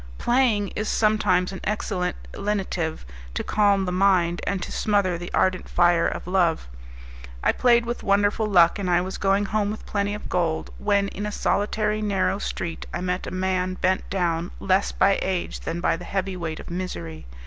Playing is sometimes an excellent lenitive to calm the mind, and to smother the ardent fire of love. I played with wonderful luck, and I was going home with plenty of gold, when in a solitary narrow street I met a man bent down less by age than by the heavy weight of misery.